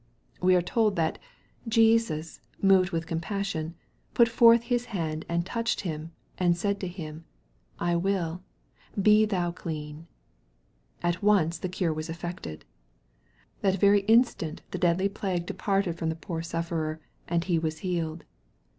We are told that " Jesus, moved with compassion, put forth His hand and touched him, and said to him, I will, be thou clean." At once the cure was effected. That very instant the deadly plague departed from the poor sufferer, and he was healed..